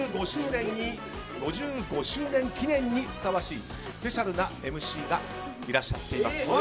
５５周年記念にふさわしいスペシャルなＭＣがいらっしゃっています。